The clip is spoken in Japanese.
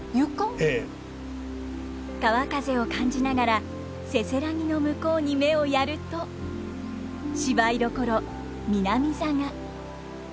川風を感じながらせせらぎの向こうに目をやると芝居どころ南座が。